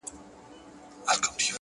• ورخبر یې کړزړګی په لړمانه کي -